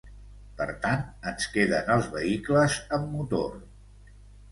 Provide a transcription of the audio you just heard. Per tant, ens queden els vehicles amb motor.